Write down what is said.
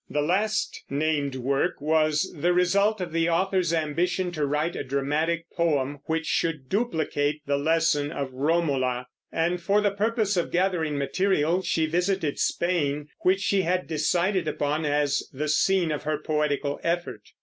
The last named work was the result of the author's ambition to write a dramatic poem which should duplicate the lesson of Romola; and for the purpose of gathering material she visited Spain, which she had decided upon as the scene of her poetical effort.